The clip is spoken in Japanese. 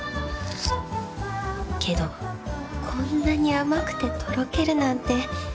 けどこんなに甘くてとろけるなんて。